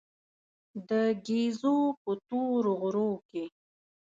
د ګېزو په تورو غرو کې.